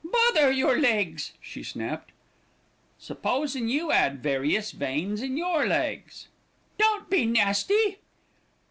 "Bother your legs," she snapped. "Supposin' you 'ad various veins in your legs." "Don't be nasty."